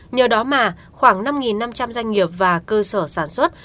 nhờ đó mà khoảng năm năm trăm linh doanh nghiệp và cơ sở sản xuất